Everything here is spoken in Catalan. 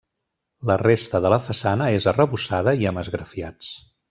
La resta de la façana és arrebossada i amb esgrafiats.